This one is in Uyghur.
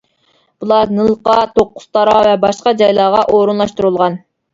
بۇلار نىلقا، توققۇزتارا ۋە باشقا جايلارغا ئورۇنلاشتۇرۇلغان.